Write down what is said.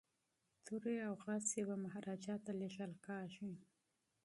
توري او شمشیرونه به مهاراجا ته لیږل کیږي.